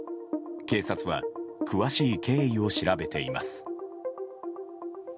警察は詳しい経緯を調べています。